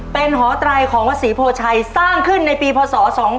เป็นหอตรายของวศีโภชัยสร้างขึ้นในปีพศ๒๓๐๕